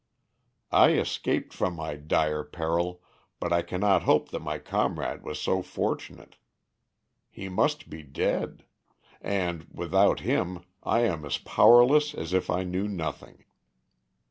"I escaped from my dire peril, but I cannot hope that my comrade was so fortunate. He must be dead. And, without him, I am as powerless as if I knew nothing.